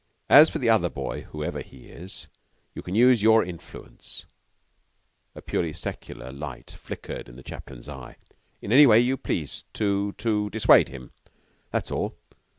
As for the other boy, whoever he is, you can use your influence" a purely secular light flickered in the chaplain's eye "in any way you please to to dissuade him. That's all.